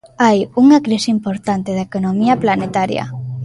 Hai unha crise importante da economía planetaria.